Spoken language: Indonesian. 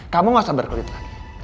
kamu gak usah berkelit lagi